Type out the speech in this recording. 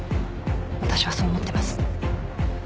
私はそう思ってます。